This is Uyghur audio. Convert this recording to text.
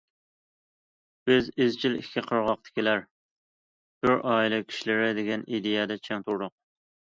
بىز ئىزچىل ئىككى قىرغاقتىكىلەر« بىر ئائىلە كىشىلىرى» دېگەن ئىدىيەدە چىڭ تۇردۇق.